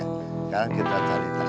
sekarang kita cari taksi